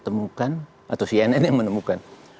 temukan atau cnn yang menemukan